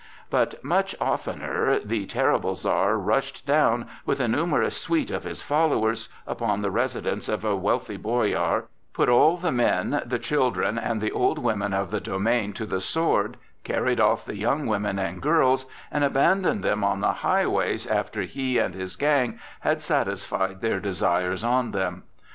But much oftener the terrible Czar rushed down, with a numerous suite of his followers, upon the residence of a wealthy boyar, put all the men, the children and the old women of the domain to the sword, carried off the young women and girls, and abandoned them on the highways after he and his gang had satisfied their desires on them.